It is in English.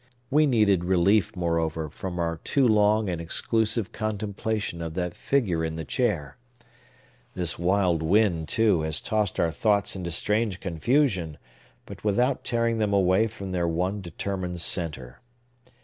We needed relief, moreover, from our too long and exclusive contemplation of that figure in the chair. This wild wind, too, has tossed our thoughts into strange confusion, but without tearing them away from their one determined centre.